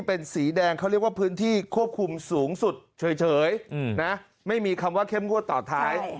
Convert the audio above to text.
เป็นสีแดงเขาเรียกว่าพื้นที่ควบคุมสูงสุดเฉยนะไม่มีคำว่าเข้มงวดต่อท้าย